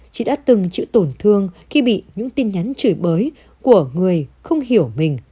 chị đã từng chịu tổn thương khi bị những tin nhắn chửi bới của người không hiểu mình